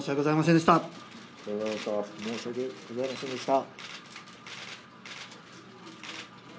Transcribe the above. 申し訳ございませんでした。